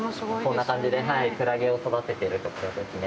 こんな感じでクラゲを育てているところですね。